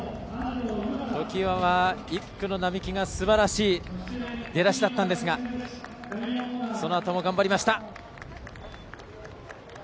常磐は１区の並木がすばらしい出だしだったんですがそのあとも頑張りました。